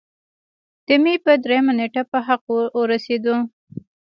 د مۍ پۀ دريمه نېټه پۀ حق اورسېدو